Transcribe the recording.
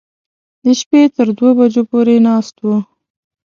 د شپې تر دوو بجو پورې ناست و.